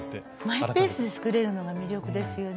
マイペースで作れるのが魅力ですよね。